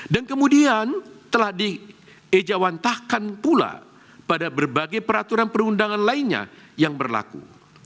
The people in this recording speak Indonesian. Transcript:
dan kemudian telah diejawantahkan pula pada berbagai peraturan perundangan lainnya yang berlaku